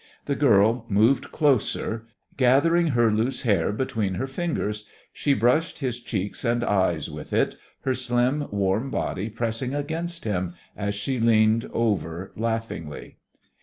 The girl moved closer. Gathering her loose hair between her fingers, she brushed his cheeks and eyes with it, her slim, warm body pressing against him as she leaned over laughingly.